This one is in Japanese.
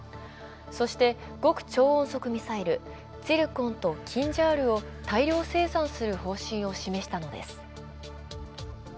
そして、極超音速ミサイル、ツィルコンとキンジャールを大量生産する方針を示したのです。